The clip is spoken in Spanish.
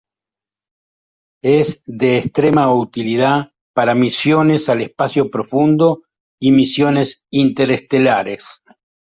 Es de extrema utilidad para misiones al espacio profundo y misiones interestelares.